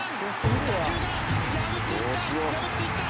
打球が破っていった破っていった！